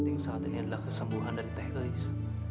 yang saat ini adalah kesembuhan dari teknis